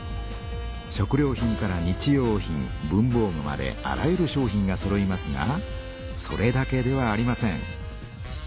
食料品から日用品文ぼう具まであらゆる商品がそろいますがそれだけではありません。